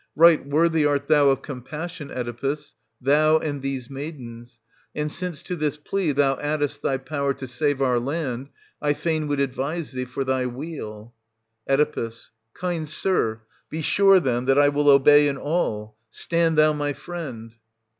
Right worthy art thou of compassion, Oedipus, thou, and these maidens; and since to this plea thou addest thy power to save our land, I fain would advise thee for thy weal. Oe. Kind sir, be sure, then, that I will obey in all, — stand thou my friend.